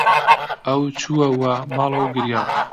ئەو چووەوە ماڵەوە و گریا.